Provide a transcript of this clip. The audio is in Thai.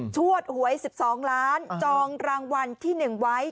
ชวดโหยสิบสองล้านจองรางวัลที่หนึ่งไว้